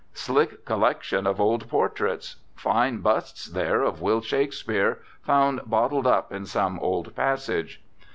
Slick collection of old portraits. Fine bust there of Will Shakespeare, found bottled up in some old passage.